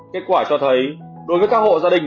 kết quả cho thấy đối với các hộ gia đình